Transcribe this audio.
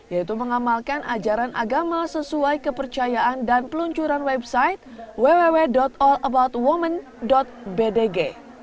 yaitu mengamalkan ajaran agama sesuai kepercayaan dan peluncuran website www all aboutwomen bdg